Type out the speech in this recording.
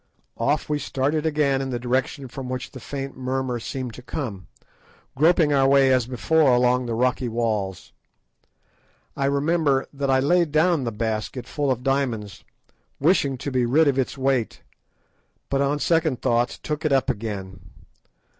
Off we started again in the direction from which the faint murmur seemed to come, groping our way as before along the rocky walls. I remember that I laid down the basket full of diamonds, wishing to be rid of its weight, but on second thoughts took it up again.